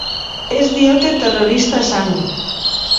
Ez diote terrorista esango.